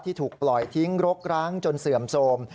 ถูกปล่อยทิ้งรกร้างจนเสื่อมโทรม